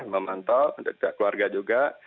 memantau keluarga juga